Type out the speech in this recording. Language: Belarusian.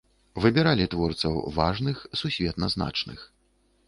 Выбіралі творцаў важных, сусветна значных.